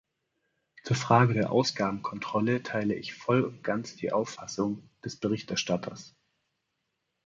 Zur Frage der Ausgabenkontrolle teile ich voll und ganz die Auffassung des Berichterstatters.